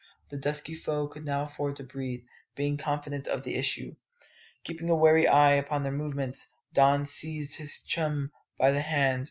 The dusky foe could now afford to breathe, being confident of the issue. Keeping a wary eye upon their movements, Don seized his chum by the hand.